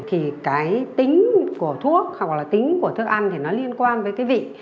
thì cái tính của thuốc hoặc là tính của thức ăn thì nó liên quan với cái vị